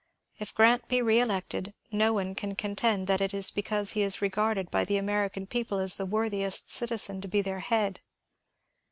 If Grrant be reelected, no one can contend that it is because he is regarded by the American people as the worthiest citizen to be their head.